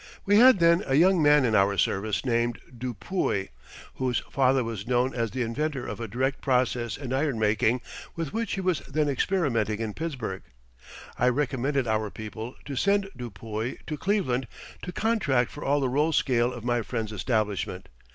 We had then a young man in our service named Du Puy, whose father was known as the inventor of a direct process in iron making with which he was then experimenting in Pittsburgh. I recommended our people to send Du Puy to Cleveland to contract for all the roll scale of my friend's establishment.